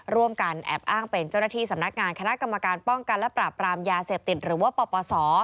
ร่วมกันแอบอ้างเป็นเจ้าหน้าที่สำนักงานคณะกรรมการป้องกันและปราบรามยาเสพติดหรือว่าปปศ